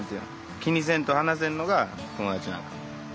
気にせんと話せるのが友達なんかな。